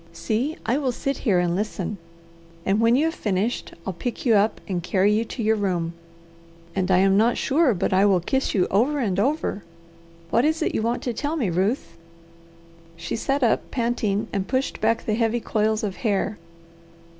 See, I will sit here and listen, and when you have finished I'll pick you up and carry you to your room, and I am not sure but I will kiss you over and over. What is it you want to tell me, Ruth?" She sat up panting and pushed back the heavy coils of hair.